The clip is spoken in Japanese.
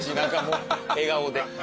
笑顔で。